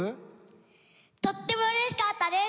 とっても嬉しかったです！